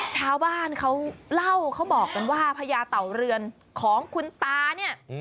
ชาวบ้านเขาเล่าเขาบอกกันว่าพญาเต่าเรือนของคุณตาเนี่ย